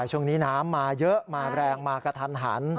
ช่วงนี้น้ำมาเยอะมาแรงมากระทันหัน